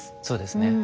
そうですね。